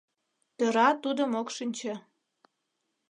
Тӧра тудым ок шинче.